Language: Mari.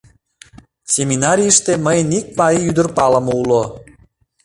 Семинарийыште мыйын ик марий ӱдыр палыме уло.